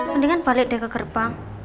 mendingan balik dia ke gerbang